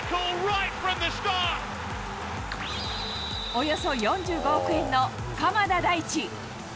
およそ４５億円の鎌田大地。